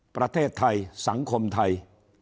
ประเทศไทยสังคมไทย